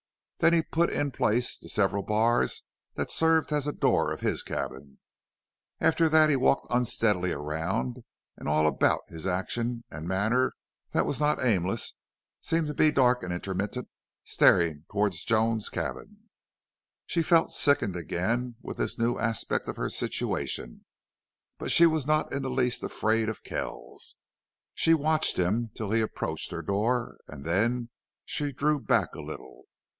Then he put in place the several bars that served as a door of his cabin. After that he walked unsteadily around, and all about his action and manner that was not aimless seemed to be dark and intermittent staring toward Joan's cabin. She felt sickened again with this new aspect of her situation, but she was not in the least afraid of Kells. She watched him till he approached her door and then she drew back a little.